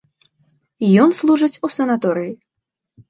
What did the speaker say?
Ён служыць у санаторыі.